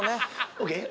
ＯＫ。